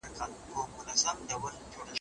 مرهټیانو په سیمه کې ډېر ظلمونه کولل.